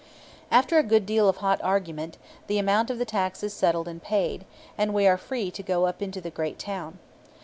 After a good deal of hot argument, the amount of the tax is settled and paid, and we are free to go up into the great town.